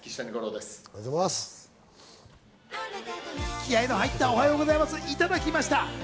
気合いが入ったおはようございます、いただきました。